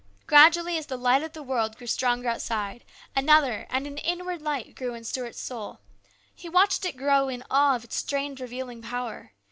Gradually, as the light of the world grew stronger outside, another and an inward light grew in Stuart's soul. He watched it grow in awe of its strange revealing power.